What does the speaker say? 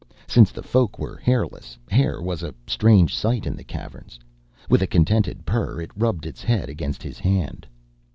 Since the Folk were hairless, hair was a strange sight in the Caverns. With a contented purr, it rubbed its head against his hand.